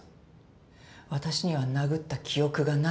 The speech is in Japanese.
私には殴った記憶がないんです。